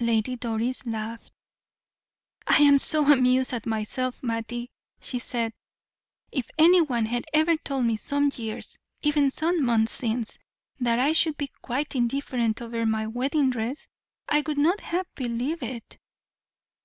Lady Doris laughed. "I am so amused at myself, Mattie," she said. "If any one had ever told me, some years, even some months since, that I should be quite indifferent over my wedding dress, I would not have believed it."